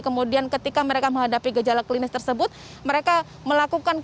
kemudian ketika mereka menghadapi gejala klinis tersebut mereka melakukan